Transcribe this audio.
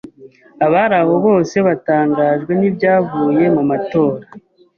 Abari aho bose batangajwe n'ibyavuye mu matora.